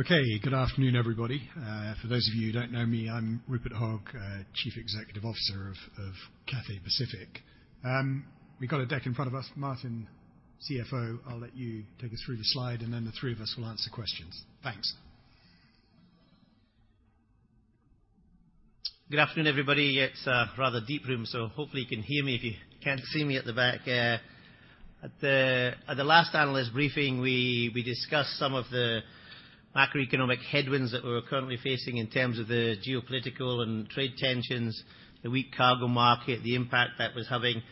Okay. Good afternoon, everybody. For those of you who don't know me, I'm Rupert Hogg, Chief Executive Officer of Cathay Pacific. We got a deck in front of us. Martin, CFO, I'll let you take us through the slide, and then the three of us will answer questions. Thanks. Good afternoon, everybody. It's a rather deep room, so hopefully you can hear me if you can't see me at the back. At the last analyst briefing, we discussed some of the macroeconomic headwinds that we're currently facing in terms of the geopolitical and trade tensions, the weak cargo market, the impact that was having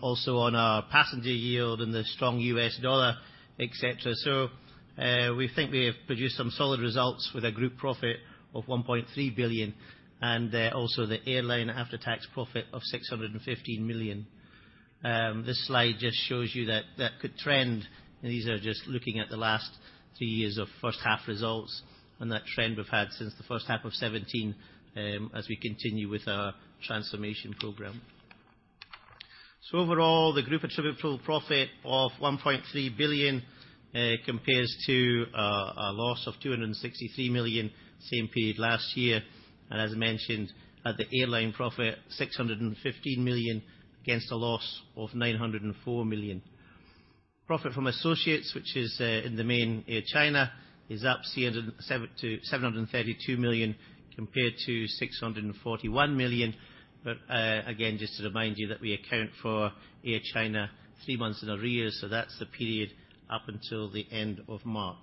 also on our passenger yield and the strong U.S. dollar, et cetera. We think we have produced some solid results with a group profit of 1.3 billion, and also the airline after-tax profit of 615 million. This slide just shows you that could trend. These are just looking at the last three years of first half results and that trend we've had since the first half of 2017, as we continue with our transformation program. Overall, the group attributable profit of 1.3 billion compares to a loss of 263 million, same period last year. As mentioned, at the airline profit, 615 million against a loss of 904 million. Profit from associates, which is in the main Air China, is up to 732 million compared to 641 million. Again, just to remind you that we account for Air China three months in arrears, so that's the period up until the end of March.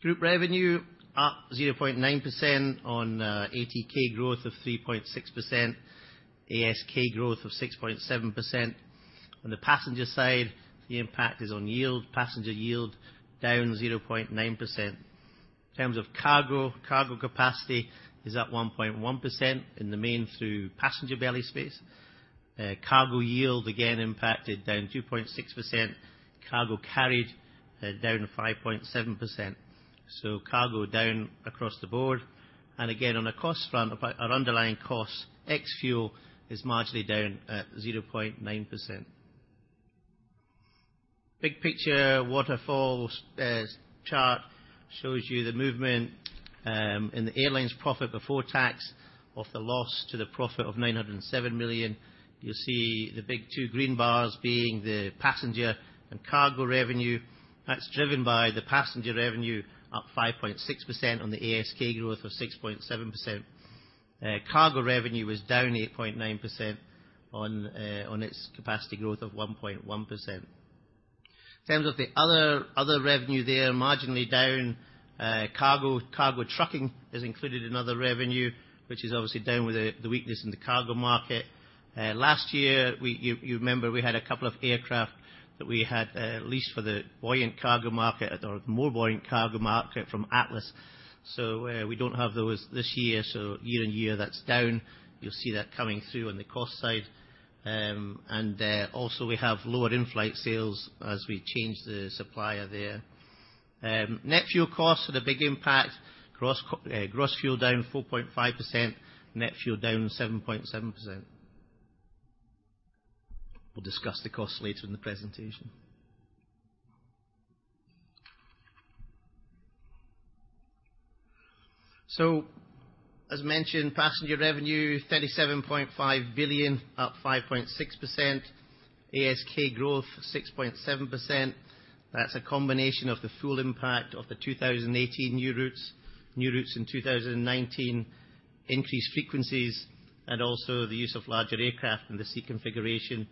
Group revenue up 0.9% on ATK growth of 3.6%, ASK growth of 6.7%. On the passenger side, the impact is on yield. Passenger yield down 0.9%. In terms of cargo capacity is up 1.1% in the main through passenger belly space. Cargo yield again impacted down 2.6%. Cargo carried down 5.7%. Cargo down across the board. Again, on a cost front, our underlying cost ex fuel is marginally down at 0.9%. Big picture waterfall chart shows you the movement in the airline's profit before tax of the loss to the profit of 907 million. You'll see the big two green bars being the passenger and cargo revenue. That's driven by the passenger revenue up 5.6% on the ASK growth of 6.7%. Cargo revenue was down 8.9% on its capacity growth of 1.1%. In terms of the other revenue there, marginally down. Cargo trucking is included in other revenue, which is obviously down with the weakness in the cargo market. Last year, you remember we had a couple of aircraft that we had leased for the buoyant cargo market, or the more buoyant cargo market from Atlas. We don't have those this year. Year on year, that's down. You'll see that coming through on the cost side. Also, we have lower in-flight sales as we change the supplier there. Net fuel costs had a big impact. Gross fuel down 4.5%, net fuel down 7.7%. We'll discuss the costs later in the presentation. As mentioned, passenger revenue 37.5 billion, up 5.6%. ASK growth 6.7%. That's a combination of the full impact of the 2018 new routes, new routes in 2019, increased frequencies, and also the use of larger aircraft and the seat configuration.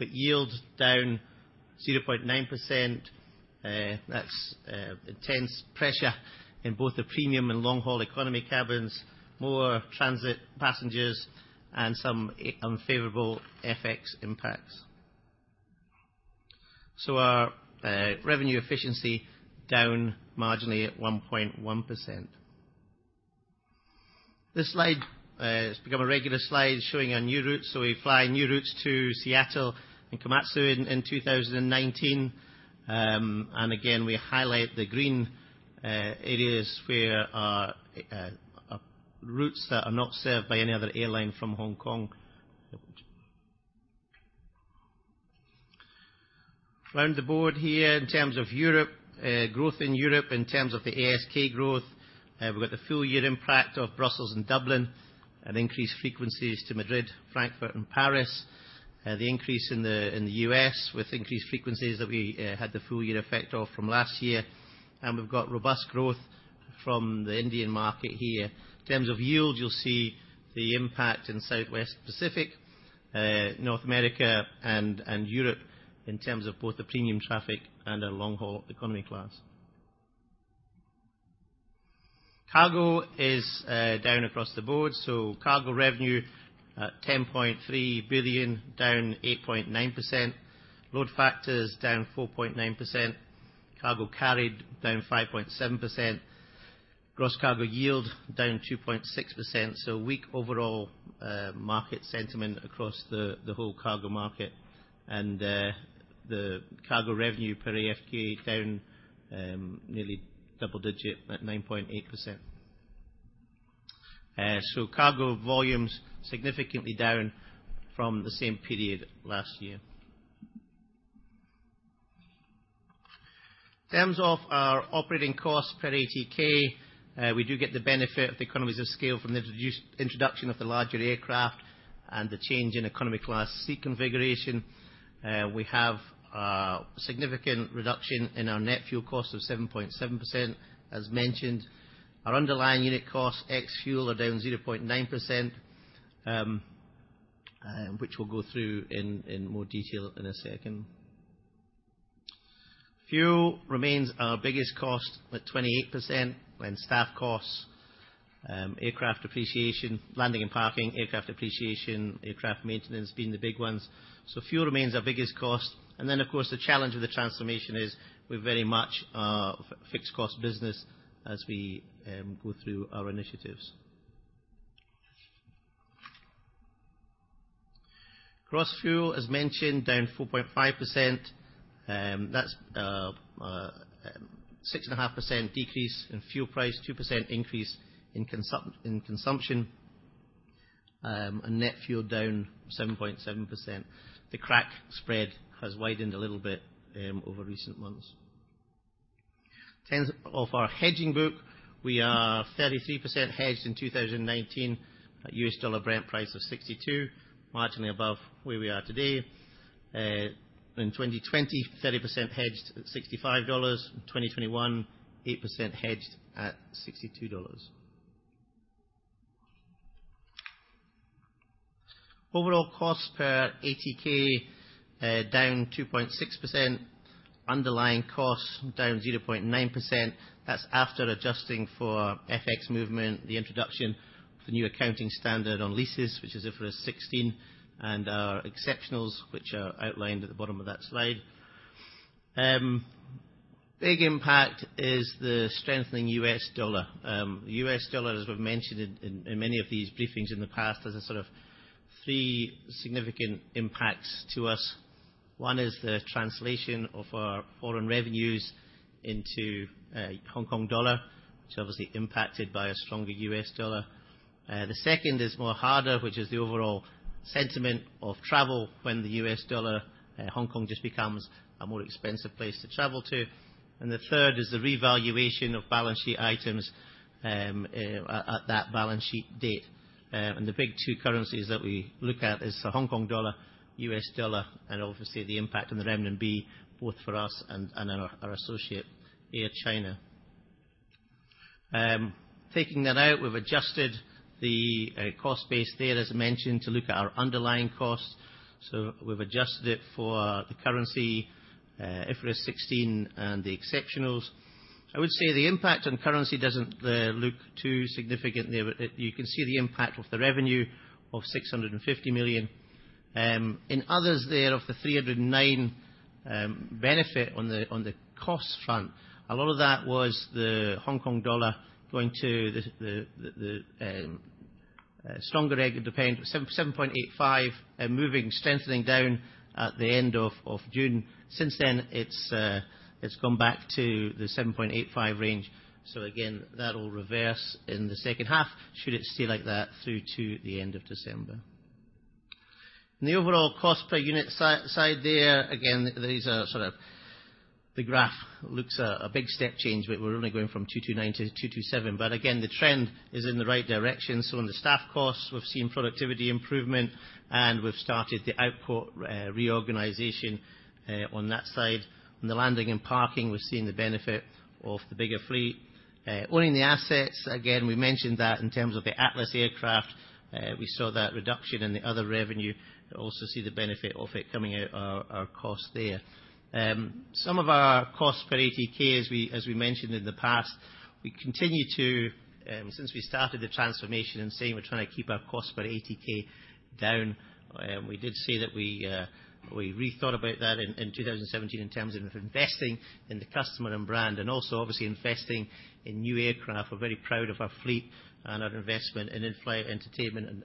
Yield down 0.9%. That's intense pressure in both the premium and long-haul economy cabins, more transit passengers, and some unfavorable FX impacts. Our revenue efficiency down marginally at 1.1%. This slide has become a regular slide showing our new routes. We fly new routes to Seattle and Komatsu in 2019. Again, we highlight the green areas where our routes that are not served by any other airline from Hong Kong. Around the board here, in terms of Europe, growth in Europe, in terms of the ASK growth, we've got the full year impact of Brussels and Dublin and increased frequencies to Madrid, Frankfurt, and Paris. The increase in the U.S. with increased frequencies that we had the full year effect of from last year. We've got robust growth from the Indian market here. In terms of yield, you'll see the impact in South West Pacific, North America, and Europe in terms of both the premium traffic and our long-haul economy class. Cargo is down across the board. Cargo revenue at 10.3 billion, down 8.9%. Load factors down 4.9%. Cargo carried down 5.7%. Gross cargo yield down 2.6%. Weak overall market sentiment across the whole cargo market. The cargo revenue per AFTK down nearly double-digit at 9.8%. So cargo volumes significantly down from the same period last year. In terms of our operating costs per ATK, we do get the benefit of the economies of scale from the introduction of the larger aircraft and the change in economy class seat configuration. We have a significant reduction in our net fuel cost of 7.7%, as mentioned. Our underlying unit costs, ex fuel, are down 0.9%, which we'll go through in more detail in a second. Fuel remains our biggest cost at 28%, when staff costs, aircraft depreciation, landing and parking, aircraft depreciation, aircraft maintenance being the big ones. Fuel remains our biggest cost. Of course, the challenge of the transformation is we're very much a fixed cost business as we go through our initiatives. Gross fuel, as mentioned, down 4.5%. That's a 6.5% decrease in fuel price, 2% increase in consumption, and net fuel down 7.7%. The crack spread has widened a little bit over recent months. In terms of our hedging book, we are 33% hedged in 2019 at US dollar Brent price of $62, marginally above where we are today. In 2020, 30% hedged at $65. In 2021, 8% hedged at $62. Overall costs per ATK down 2.6%, underlying costs down 0.9%. That's after adjusting for FX movement, the introduction of the new accounting standard on leases, which is IFRS 16, and our exceptionals, which are outlined at the bottom of that slide. Big impact is the strengthening U.S. dollar. U.S. dollar, as we've mentioned in many of these briefings in the past, there's sort of three significant impacts to us. One is the translation of our foreign revenues into Hong Kong dollar, which obviously impacted by a stronger U.S. dollar. The second is more harder, which is the overall sentiment of travel when the U.S. dollar, Hong Kong just becomes a more expensive place to travel to. The third is the revaluation of balance sheet items at that balance sheet date. The big two currencies that we look at is the Hong Kong dollar, U.S. dollar, and obviously the impact on the renminbi both for us and our associate, Air China. Taking that out, we've adjusted the cost base there, as mentioned, to look at our underlying costs. We've adjusted it for the currency, IFRS 16, and the exceptionals. I would say the impact on currency doesn't look too significant there, but you can see the impact of the revenue of 650 million. In others there, of the 309 benefit on the cost front, a lot of that was the Hong Kong dollar going to the stronger 7.85, moving, strengthening down at the end of June. Since then, it's gone back to the 7.85 range. Again, that will reverse in the second half should it stay like that through to the end of December. In the overall cost per unit side there, again, these are sort of the graph looks a big step change, but we're only going from 229-227. Again, the trend is in the right direction. On the staff costs, we've seen productivity improvement, and we've started the output reorganization on that side. On the landing and parking, we've seen the benefit of the bigger fleet. Owning the assets, again, we mentioned that in terms of the Atlas aircraft, we saw that reduction in the other revenue. We also see the benefit of it coming out our cost there. Some of our costs per ATK, as we mentioned in the past, we continue to, since we started the transformation and saying we're trying to keep our cost per ATK down, we did say that we re-thought about that in 2017 in terms of investing in the customer and brand and also obviously investing in new aircraft. We're very proud of our fleet and our investment in in-flight entertainment.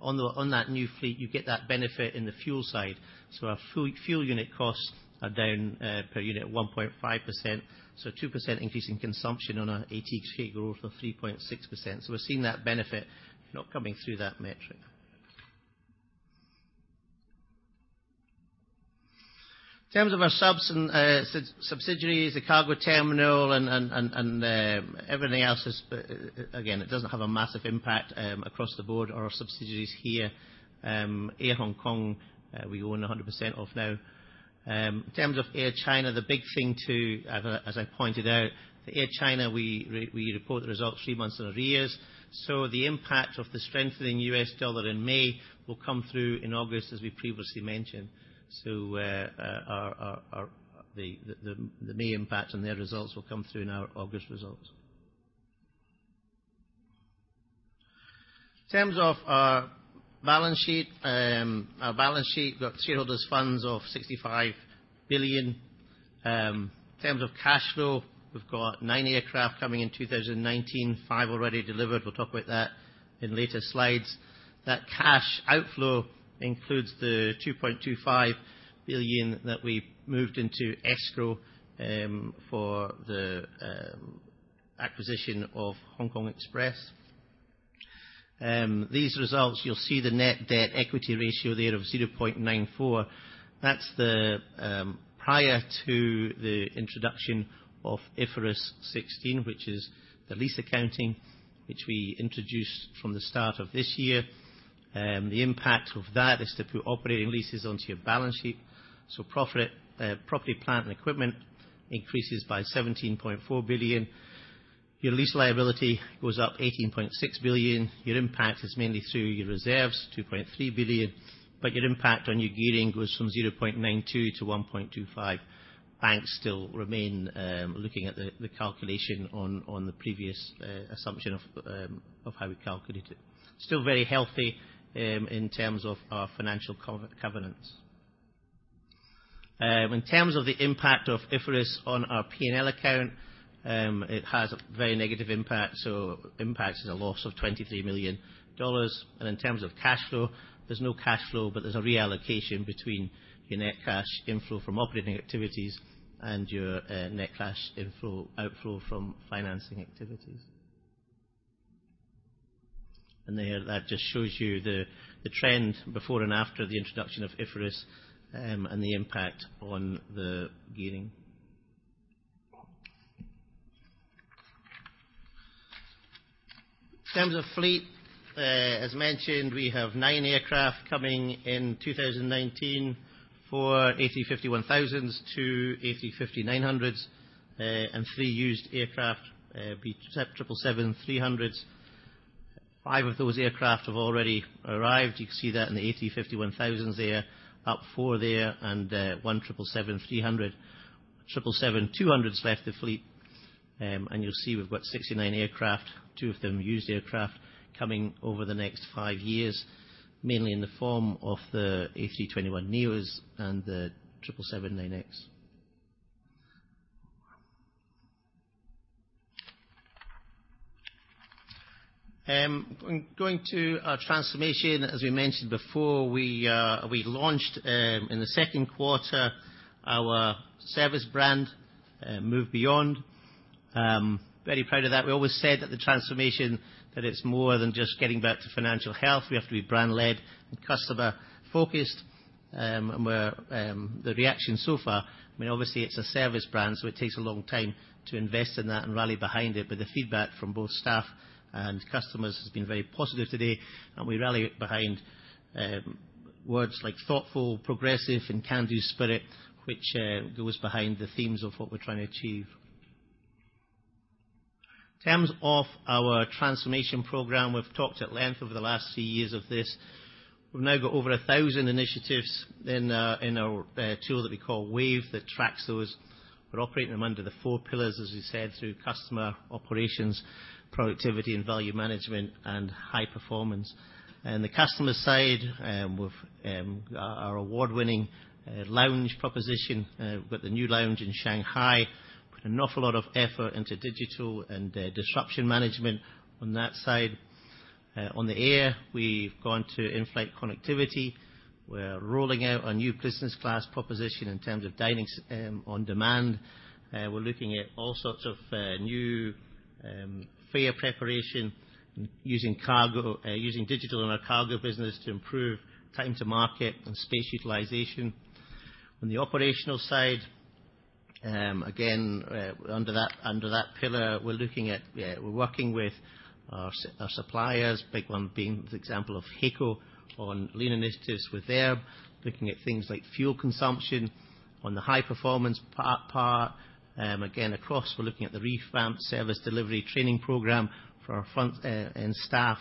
On that new fleet, you get that benefit in the fuel side. Our fuel unit costs are down per unit 1.5%. 2% increase in consumption on our ATK growth of 3.6%. We're seeing that benefit not coming through that metric. In terms of our subsidiaries, the cargo terminal and everything else, again, it doesn't have a massive impact across the board, our subsidiaries here. Air Hong Kong, we own 100% of now. In terms of Air China, the big thing too, as I pointed out, Air China, we report the results three months in arrears. The impact of the strengthening U.S. dollar in May will come through in August, as we previously mentioned. The main impact on their results will come through in our August results. In terms of our balance sheet, we've got shareholders' funds of 65 billion. In terms of cash flow, we've got nine aircraft coming in 2019, five already delivered. We'll talk about that in later slides. That cash outflow includes the 2.25 billion that we moved into escrow for the acquisition of HK Express. These results, you'll see the net debt equity ratio there of 0.94. That's the prior to the introduction of IFRS 16, which is the lease accounting, which we introduced from the start of this year. The impact of that is to put operating leases onto your balance sheet. Property, plant, and equipment increases by 17.4 billion. Your lease liability goes up 18.6 billion. Your impact is mainly through your reserves, 2.3 billion, but your impact on your gearing goes from 0.92 to 1.25. Banks still remain, looking at the calculation on the previous assumption of how we calculate it. Still very healthy in terms of our financial covenants. In terms of the impact of IFRS on our P&L account, it has a very negative impact. Impact is a loss of 23 million dollars. In terms of cash flow, there's no cash flow, but there's a reallocation between your net cash inflow from operating activities and your net cash outflow from financing activities. There, that just shows you the trend before and after the introduction of IFRS, and the impact on the gearing. In terms of fleet, as mentioned, we have nine aircraft coming in 2019. Four A350-1000s, two A350-900s, and three used aircraft, B777-300s. Five of those aircraft have already arrived. You can see that in the A350-1000s there, up four there, and one 777-300, 777-200 has left the fleet. You'll see we've got 69 aircraft, two of them used aircraft, coming over the next five years, mainly in the form of the A321neos and the 777-9X. Going to our transformation, as we mentioned before, we launched, in the second quarter, our service brand, Move Beyond. Very proud of that. We always said that the transformation, that it's more than just getting back to financial health. We have to be brand led and customer focused. The reaction so far, I mean, obviously, it's a service brand, so it takes a long time to invest in that and rally behind it, but the feedback from both staff and customers has been very positive to date. We rally behind words like thoughtful, progressive, and can-do spirit, which goes behind the themes of what we're trying to achieve. In terms of our transformation program, we've talked at length over the last three years of this. We've now got over 1,000 initiatives in our tool that we call WAVE that tracks those. We're operating them under the four pillars, as we said, through customer, operations, productivity and value management, and high performance. In the customer side, we have our award-winning lounge proposition with the new lounge in Shanghai. We've put an awful lot of effort into digital and disruption management on that side. On the air, we've gone to inflight connectivity. We're rolling out our new business class proposition in terms of dining on demand. We're looking at all sorts of new fare preparation, using digital in our cargo business to improve time to market and space utilization. On the operational side, again, under that pillar, we're working with our suppliers, big one being the example of HAECO on lean initiatives with them, looking at things like fuel consumption. On the high-performance part, again, across, we're looking at the revamped service delivery training program for our front end staff.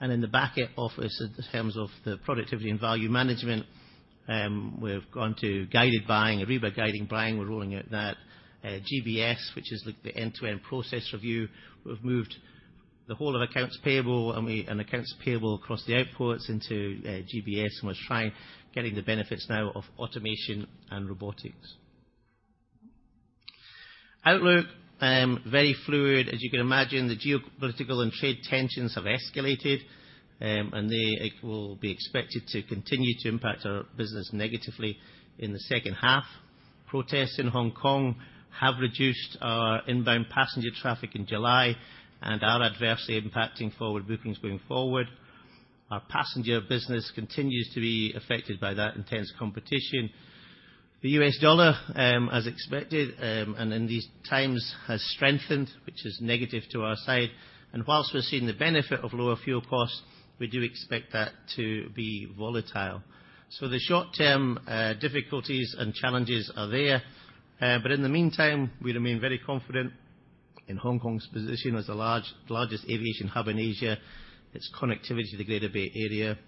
In the back office, in terms of the productivity and value management, we've gone to guided buying, Ariba guided buying. We're rolling out that GBS, which is the end-to-end process review. We've moved the whole of accounts payable, and accounts payable across the airports into GBS, and we're trying getting the benefits now of automation and robotics. Outlook, very fluid. As you can imagine, the geopolitical and trade tensions have escalated, and they will be expected to continue to impact our business negatively in the second half. Protests in Hong Kong have reduced our inbound passenger traffic in July and are adversely impacting forward bookings going forward. Our passenger business continues to be affected by that intense competition. The U.S. dollar, as expected, and in these times, has strengthened, which is negative to our side. Whilst we're seeing the benefit of lower fuel costs, we do expect that to be volatile. The short-term difficulties and challenges are there. In the meantime, we remain very confident in Hong Kong's position as the largest aviation hub in Asia, its connectivity to the Greater Bay Area.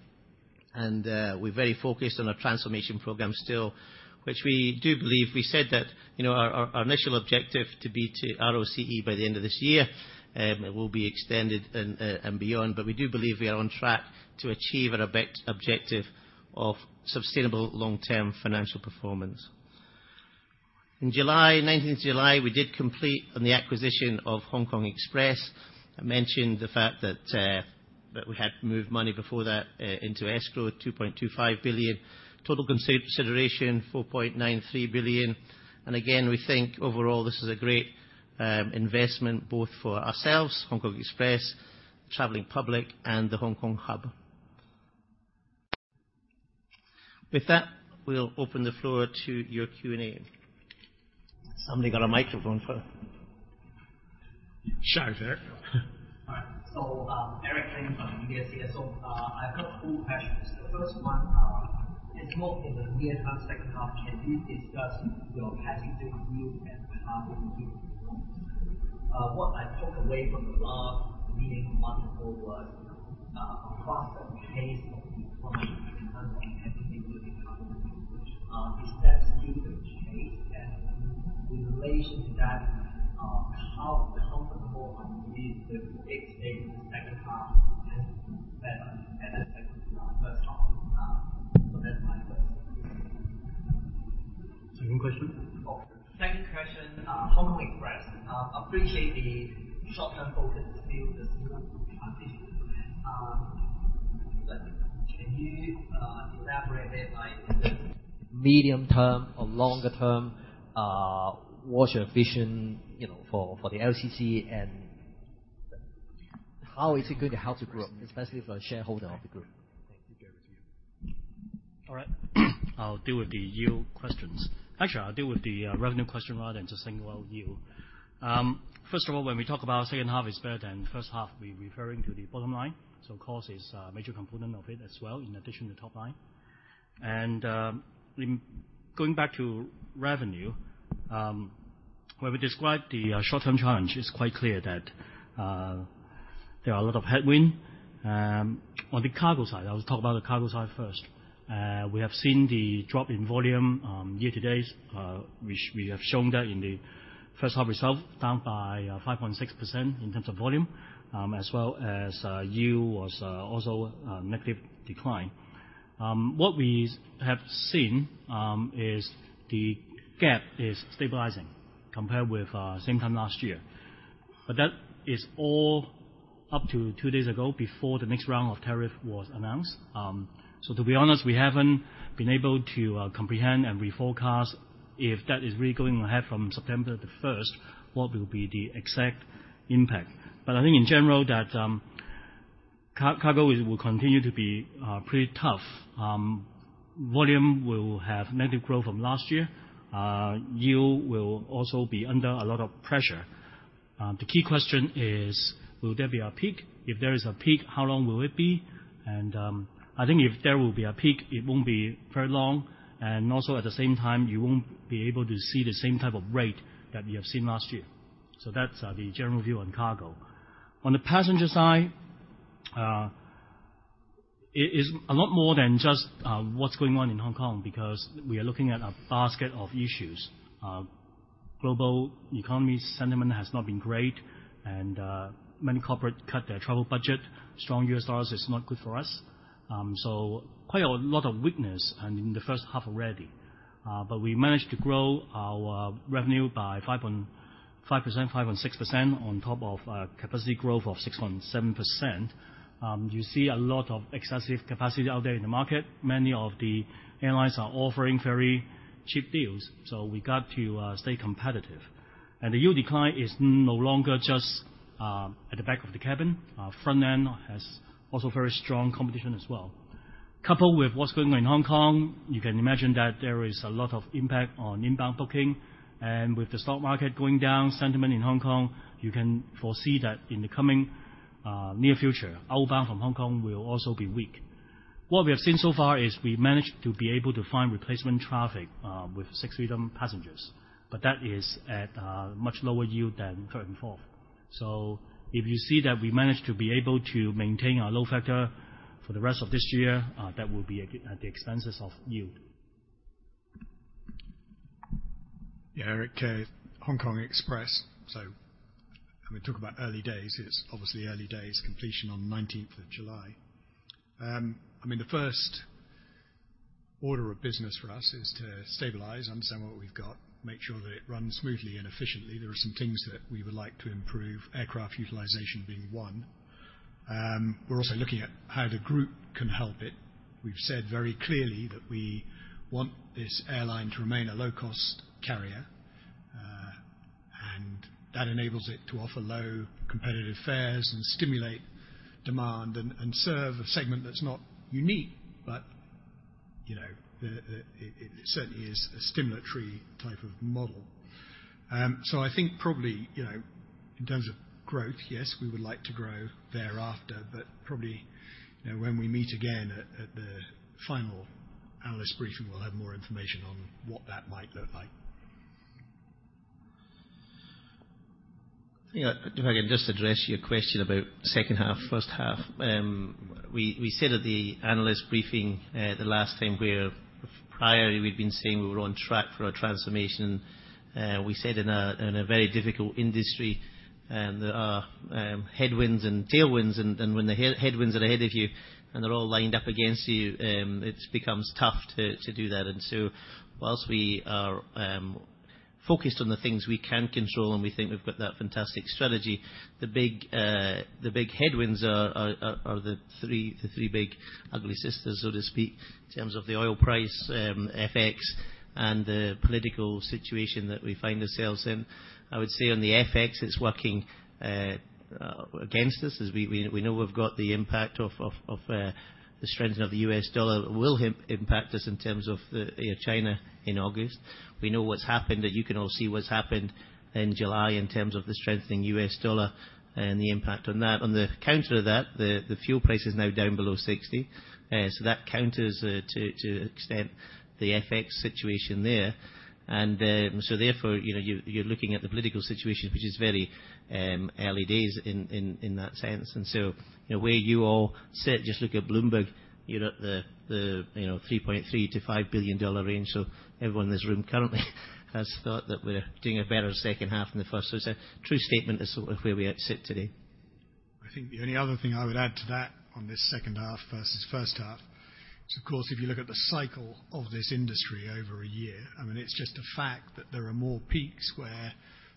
We're very focused on our transformation program still, which we do believe we said that our initial objective to be to ROCE by the end of this year, will be extended and beyond. We do believe we are on track to achieve our objective of sustainable long-term financial performance. In July, 19th of July, we did complete on the acquisition of Hong Kong Express. I mentioned the fact that we had to move money before that into escrow, 2.25 billion. Total consideration, 4.93 billion. Again, we think overall this is a great investment, both for ourselves, HK Express, the traveling public, and the Hong Kong hub. With that, we'll open the floor to your Q&A. Somebody got a microphone for. Sure, Eric. All right. Eric Tang from UBS here. I've got two questions. The first one, let's talk in the near term, second half, can you discuss your passenger yield and cargo yield performance? What I took away from the last meeting a month ago was a faster pace of decline in terms of passenger and cargo yield, which is that yield page. In relation to that, how comfortable are you with H2 second half than first half? That's my first question. Second question? Second question, Hong Kong Express. Appreciate the short-term focus to build the transition plan. Can you elaborate a bit, like in the medium term or longer term, what's your vision for the LCC and how is it going to help the group, especially for a shareholder of the group? Thank you. Gary to you. All right. I'll deal with the yield questions. Actually, I'll deal with the revenue question rather than just single out yield. First of all, when we talk about second half is better than first half, we're referring to the bottom line. Cost is a major component of it as well, in addition to top line. Going back to revenue, when we described the short-term challenge, it's quite clear that there are a lot of headwind. On the cargo side, I'll talk about the cargo side first. We have seen the drop in volume year to date, which we have shown that in the first half results, down by 5.6% in terms of volume, as well as yield was also a negative decline. What we have seen, is the gap is stabilizing compared with same time last year. That is all up to two days ago, before the next round of tariff was announced. To be honest, we haven't been able to comprehend and reforecast if that is really going ahead from September 1st, what will be the exact impact. I think in general, that cargo will continue to be pretty tough. Volume will have negative growth from last year. Yield will also be under a lot of pressure. The key question is, will there be a peak? If there is a peak, how long will it be? I think if there will be a peak, it won't be very long, and also at the same time, you won't be able to see the same type of rate that we have seen last year. That's the general view on cargo. On the passenger side, it is a lot more than just what's going on in Hong Kong because we are looking at a basket of issues. Global economy sentiment has not been great, and many corporate cut their travel budget. Strong U.S. dollars is not good for us. Quite a lot of weakness in the first half already. We managed to grow our revenue by 5.5%, 5.6% on top of a capacity growth of 6.7%. You see a lot of excessive capacity out there in the market. Many of the airlines are offering very cheap deals, so we got to stay competitive. The yield decline is no longer just at the back of the cabin. Front end has also very strong competition as well. Coupled with what's going on in Hong Kong, you can imagine that there is a lot of impact on inbound booking. With the stock market going down, sentiment in Hong Kong, you can foresee that in the coming near future, outbound from Hong Kong will also be weak. What we have seen so far is we managed to be able to find replacement traffic with Sixth Freedom passengers, but that is at a much lower yield than current form. If you see that we managed to be able to maintain our load factor for the rest of this year, that will be at the expenses of yield. Yeah, Eric, HK Express. When we talk about early days, it's obviously early days, completion on the 19th of July. The first order of business for us is to stabilize, understand what we've got, make sure that it runs smoothly and efficiently. There are some things that we would like to improve, aircraft utilization being one. We're also looking at how the group can help it. We've said very clearly that we want this airline to remain a low-cost carrier, and that enables it to offer low competitive fares and stimulate demand and serve a segment that's not unique, but it certainly is a stimulatory type of model. I think probably, in terms of growth, yes, we would like to grow thereafter, but probably, when we meet again at the final analyst briefing, we'll have more information on what that might look like. Yeah, if I could just address your question about second half, first half. We said at the analyst briefing the last time, where prior we'd been saying we were on track for a transformation. We said in a very difficult industry, there are headwinds and tailwinds, and when the headwinds are ahead of you and they're all lined up against you, it becomes tough to do that. Whilst we are focused on the things we can control and we think we've got that fantastic strategy, the big headwinds are the three big ugly sisters, so to speak, in terms of the oil price, FX, and the political situation that we find ourselves in. I would say on the FX, it's working against us as we know we've got the impact of the strengthening of the U.S. dollar will impact us in terms of China in August. We know what's happened, that you can all see what's happened in July in terms of the strengthening U.S. dollar and the impact on that. On the counter of that, the fuel price is now down below 60. That counters to an extent the FX situation there. Therefore, you're looking at the political situation, which is very early days in that sense. Where you all sit, just look at Bloomberg, you're at the 3.3 billion-5 billion dollar range. Everyone in this room currently has thought that we're doing a better second half than the first. It's a true statement as sort of where we sit today. I think the only other thing I would add to that on this second half versus first half is, of course, if you look at the cycle of this industry over one year, it's just a fact that there are more peaks where,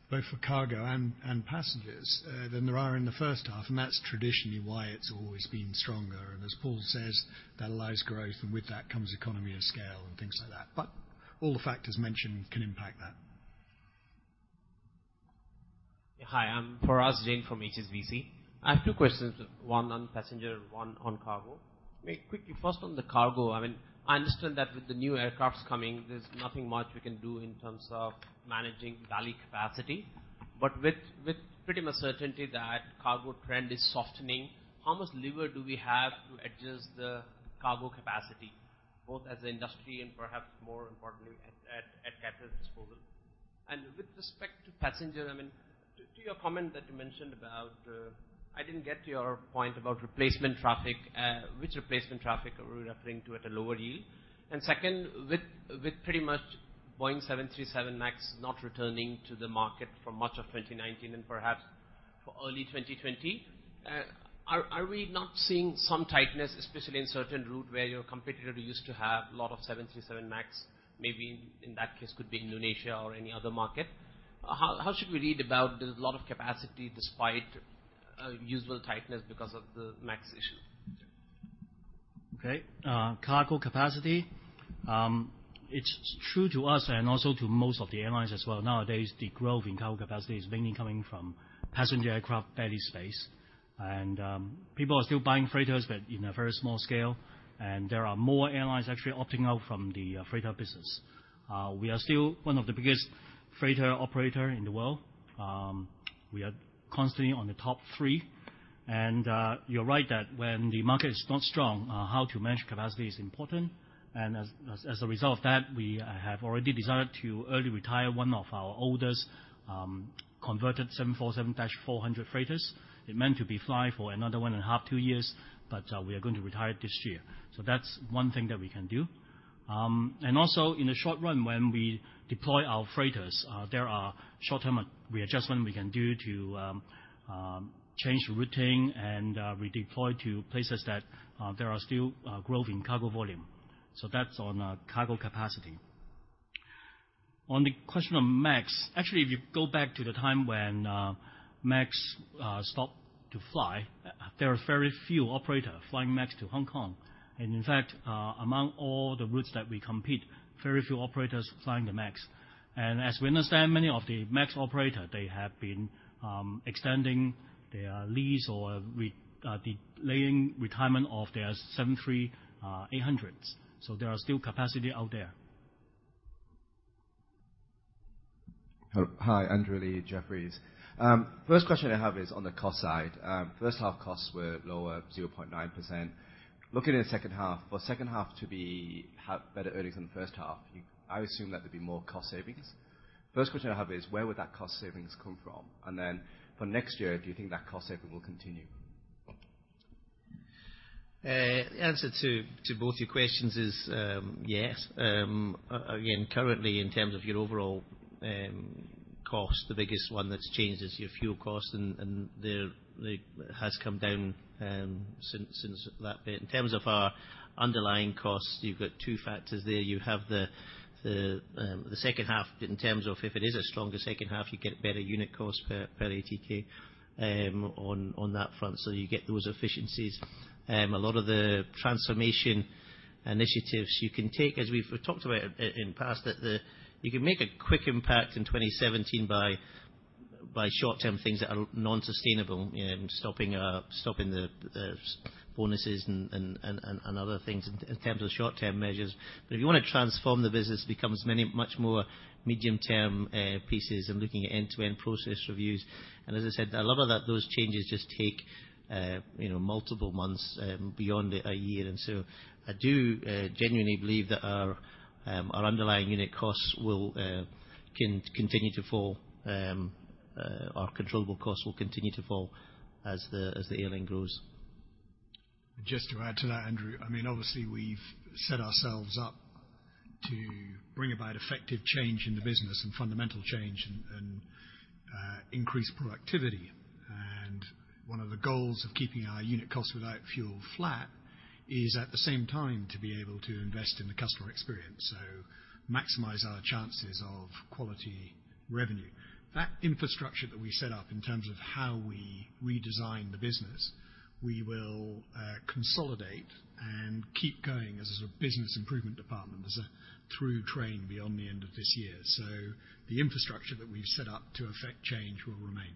both for cargo and passengers, than there are in the first half. That's traditionally why it's always been stronger. As Paul says, that allows growth, and with that comes economy of scale and things like that. All the factors mentioned can impact that. Hi, I'm Parash Jain from HSBC. I have two questions, one on passenger, one on cargo. Maybe quickly, first on the cargo, I understand that with the new aircrafts coming, there's nothing much we can do in terms of managing belly capacity. With pretty much certainty that cargo trend is softening, how much lever do we have to adjust the cargo capacity, both as an industry and perhaps more importantly, at capital disposal? With respect to passenger, to your comment that you mentioned about, I didn't get your point about replacement traffic, which replacement traffic are we referring to at a lower yield? Second, with pretty much Boeing 737 MAX not returning to the market for much of 2019 and perhaps for early 2020, are we not seeing some tightness, especially in certain route where your competitor used to have a lot of Boeing 737 MAX, maybe in that case could be Indonesia or any other market? How should we read about there's a lot of capacity despite usual tightness because of the MAX issue? Cargo capacity. It's true to us and also to most of the airlines as well, nowadays, the growth in cargo capacity is mainly coming from passenger aircraft belly space. People are still buying freighters, but in a very small scale. There are more airlines actually opting out from the freighter business. We are still one of the biggest freighter operator in the world. We are constantly on the top three. You're right that when the market is not strong, how to manage capacity is important. As a result of that, we have already decided to early retire one of our oldest converted 747-400 freighters. It meant to be fly for another one and a half, two years, but we are going to retire it this year. That's one thing that we can do. Also, in the short run, when we deploy our freighters, there are short-term readjustment we can do to change routing and redeploy to places that there are still growth in cargo volume. That's on cargo capacity. On the question of MAX, actually, if you go back to the time when MAX stopped to fly, there are very few operator flying MAX to Hong Kong. In fact, among all the routes that we compete, very few operators flying the MAX. As we understand, many of the MAX operator, they have been extending their lease or delaying retirement of their 737-800s. There are still capacity out there. Hi, Andrew Lee, Jefferies. First question I have is on the cost side. First half costs were lower, 0.9%. Looking at the second half, for second half to have better earnings than the first half, I assume that there'd be more cost savings. First question I have is, where would that cost savings come from? Then for next year, do you think that cost savings will continue? The answer to both your questions is yes. Currently, in terms of your overall cost, the biggest one that's changed is your fuel cost, and that has come down since that bit. In terms of our underlying costs, you've got two factors there. You have the second half, in terms of if it is a stronger second half, you get better unit cost per ATK on that front. You get those efficiencies. A lot of the transformation initiatives you can take, as we've talked about in past, that you can make a quick impact in 2017 by short-term things that are non-sustainable, stopping the bonuses and other things in terms of short-term measures. If you want to transform the business, it becomes much more medium-term pieces and looking at end-to-end process reviews. As I said, a lot of those changes just take multiple months beyond a year. I do genuinely believe that our underlying unit costs will continue to fall. Our controllable costs will continue to fall as the airline grows. Just to add to that, Andrew, obviously, we've set ourselves up to bring about effective change in the business and fundamental change and increase productivity. One of the goals of keeping our unit cost without fuel flat is, at the same time, to be able to invest in the customer experience, so maximize our chances of quality revenue. That infrastructure that we set up in terms of how we redesign the business, we will consolidate and keep going as a business improvement department, as a through train beyond the end of this year. The infrastructure that we've set up to affect change will remain.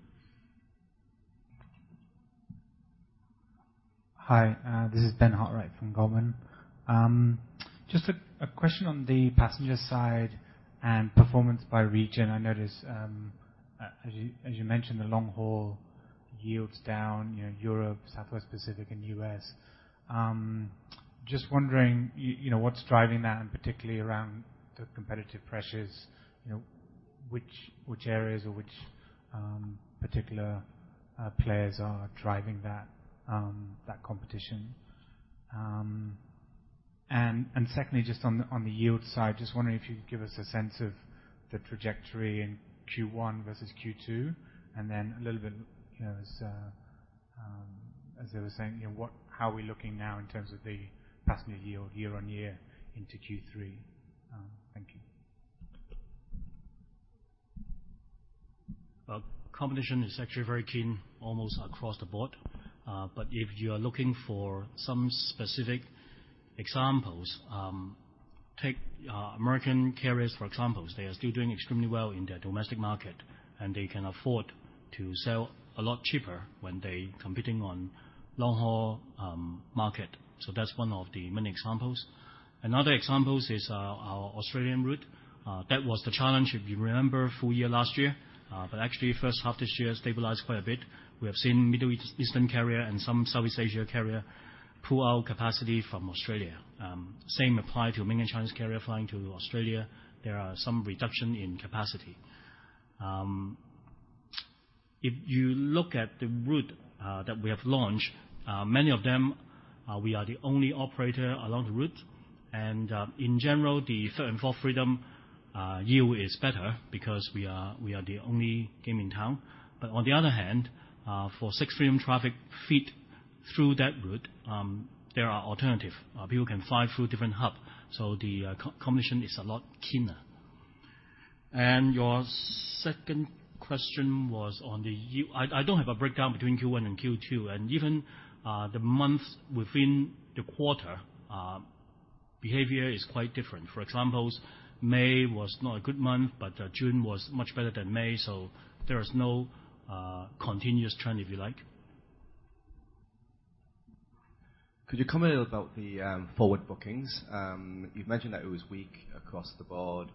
Hi, this is Ben Hartwright from Goldman. Just a question on the passenger side and performance by region. I notice, as you mentioned, the long-haul yields down, Europe, Southwest Pacific, and U.S. Just wondering what's driving that, and particularly around the competitive pressures, which areas or which particular players are driving that competition? Secondly, just on the yield side, just wondering if you could give us a sense of the trajectory in Q1 versus Q2, then a little bit, as I was saying, how are we looking now in terms of the passenger yield year-over-year into Q3? Thank you. Competition is actually very keen almost across the board. If you are looking for some specific examples, take American carriers, for example. They are still doing extremely well in their domestic market, and they can afford to sell a lot cheaper when they competing on long-haul market. That's one of the many examples. Another example is our Australian route. That was the challenge, if you remember, full year last year. Actually, first half this year stabilized quite a bit. We have seen Middle Eastern carrier and some Southeast Asia carrier pull out capacity from Australia. Same apply to mainland Chinese carrier flying to Australia. There are some reduction in capacity. If you look at the route that we have launched, many of them, we are the only operator along the route. In general, the third and fourth freedom yield is better because we are the only game in town. On the other hand, for Sixth Freedom traffic feed through that route, there are alternative. People can fly through different hub. The competition is a lot keener. Your second question was on the I don't have a breakdown between Q1 and Q2. Even the months within the quarter, behavior is quite different. For example, May was not a good month, but June was much better than May, so there is no continuous trend, if you like. Could you comment a little about the forward bookings? You've mentioned that it was weak across the board.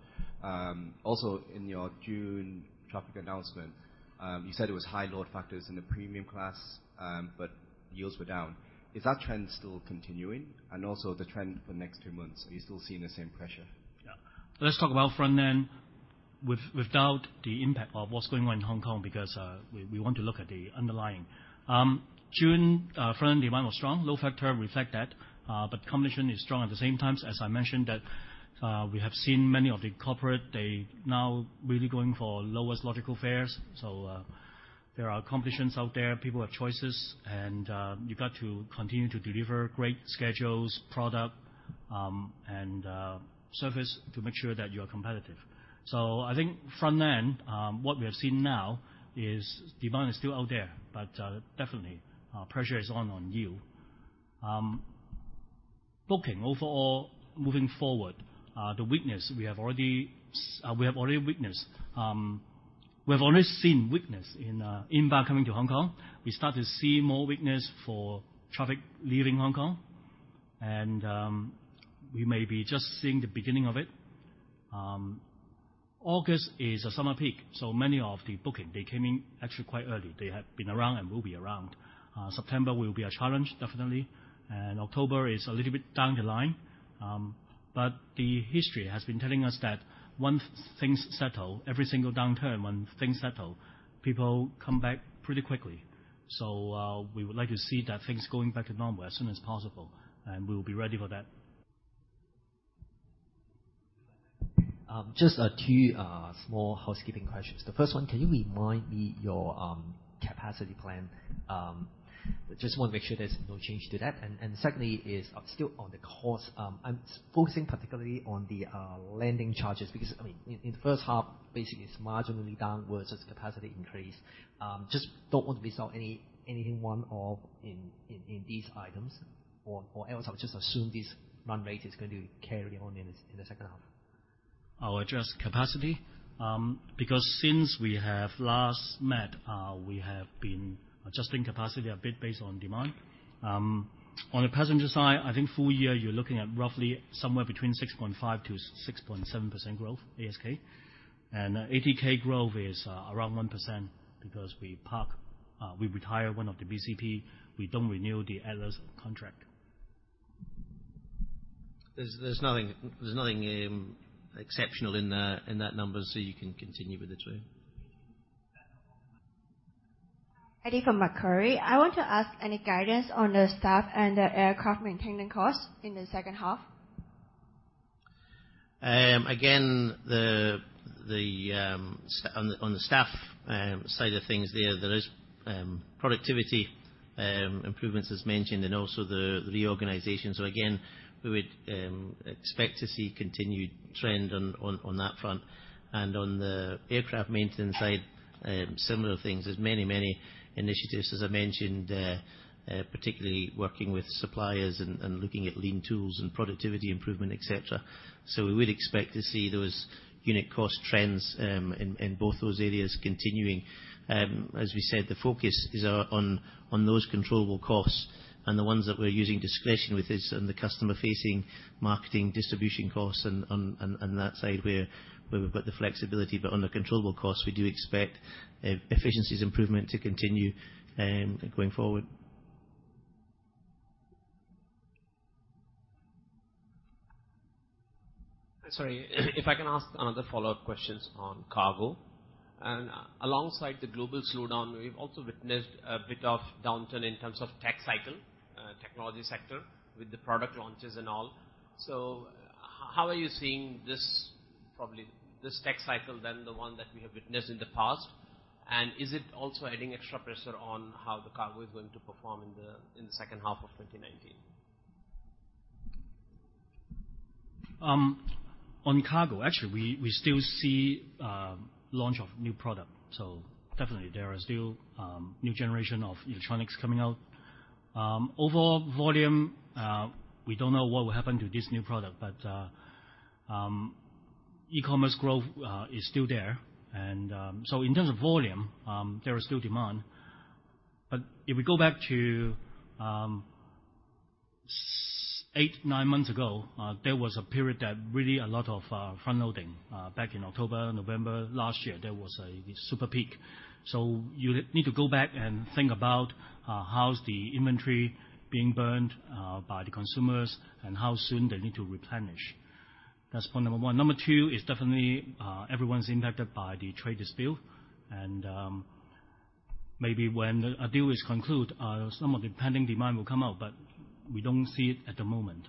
In your June traffic announcement, you said it was high load factors in the premium class, but yields were down. Is that trend still continuing? Also, the trend for the next three months, are you still seeing the same pressure? Let's talk about front end without the impact of what's going on in Hong Kong. We want to look at the underlying. June front end demand was strong. Load factor reflect that. Competition is strong at the same time, as I mentioned that we have seen many of the corporate, they now really going for lowest logical fares. There are competitions out there. People have choices, and you've got to continue to deliver great schedules, product, and service to make sure that you are competitive. I think front end, what we are seeing now is demand is still out there. Definitely, pressure is on yield. Booking overall, moving forward, the weakness we have already witnessed. We have already seen weakness in inbound coming to Hong Kong. We start to see more weakness for traffic leaving Hong Kong, and we may be just seeing the beginning of it. August is a summer peak, so many of the booking, they came in actually quite early. They have been around and will be around. September will be a challenge, definitely. October is a little bit down the line. The history has been telling us that once things settle, every single downturn, when things settle, people come back pretty quickly. We would like to see that things going back to normal as soon as possible, and we'll be ready for that. Just two small housekeeping questions. The first one, can you remind me your capacity plan? Just want to make sure there's no change to that. Secondly is still on the course. I'm focusing particularly on the landing charges, because in the first half, basically it's marginally downwards as capacity increase. Just don't want to miss out anything one off in these items, or else I'll just assume this run rate is going to carry on in the second half. I'll address capacity. Since we have last met, we have been adjusting capacity a bit based on demand. On the passenger side, I think full year, you're looking at roughly somewhere between 6.5%-6.7% growth ASK. ASK growth is around 1% because we retire one of the BCF. We don't renew the Air Lease contract. There's nothing exceptional in that number, so you can continue with the two. [Eddie] from Macquarie. I want to ask any guidance on the staff and the aircraft maintenance cost in the second half? On the staff side of things there is productivity improvements as mentioned, and also the reorganization. We would expect to see continued trend on that front. On the aircraft maintenance side, similar things. There's many initiatives, as I mentioned, particularly working with suppliers and looking at lean tools and productivity improvement, et cetera. We would expect to see those unit cost trends in both those areas continuing. As we said, the focus is on those controllable costs. The ones that we're using discretion with is in the customer facing, marketing, distribution costs and that side where we've got the flexibility. On the controllable costs, we do expect efficiencies improvement to continue going forward. Sorry. If I can ask another follow-up question on cargo. Alongside the global slowdown, we've also witnessed a bit of downturn in terms of tech cycle, technology sector with the product launches and all. How are you seeing this, probably this tech cycle than the one that we have witnessed in the past? Is it also adding extra pressure on how the cargo is going to perform in the second half of 2019? On cargo, actually, we still see launch of new product. Definitely there are still new generation of electronics coming out. Overall volume, we don't know what will happen to this new product. E-commerce growth is still there. In terms of volume, there is still demand. If we go back to eight, nine months ago, there was a period that really a lot of front-loading. Back in October, November last year, there was a super peak. You need to go back and think about how's the inventory being burned by the consumers and how soon they need to replenish. That's point number one. Number two is definitely everyone's impacted by the trade dispute, and maybe when a deal is concluded, some of the pending demand will come out, but we don't see it at the moment.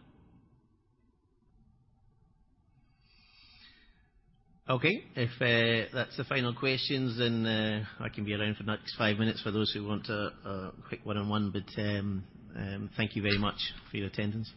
Okay. If that's the final question, I can be around for the next five minutes for those who want a quick one-on-one. Thank you very much for your attendance